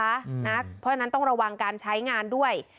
เพราะฉะนั้นต้องระวังการใช้งานด้วย